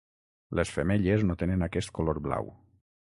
Les femelles no tenen aquest color blau.